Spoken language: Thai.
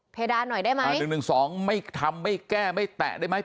เดดานหน่อยได้ไหมอ่า๑๑๒ไม่ทำไม่แก้ไม่แตะได้ไหม